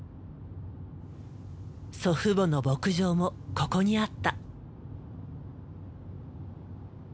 祖父母の牧場もここにあった。